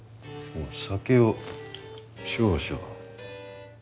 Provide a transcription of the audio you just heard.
酒を少々。